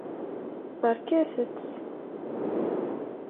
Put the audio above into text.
Barket-t!